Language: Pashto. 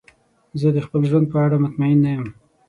زه د خپل ژوند په اړه مطمئن نه یم.